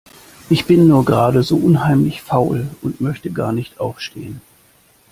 Ich bin nur gerade so unheimlich faul und möchte gar nicht aufstehen.